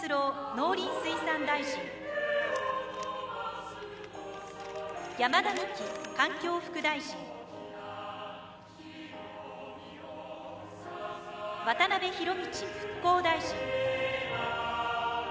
農林水産大臣山田美樹環境副大臣渡辺博道復興大臣